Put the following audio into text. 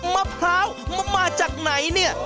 มะพร้าวมาจากไหนเนี่ย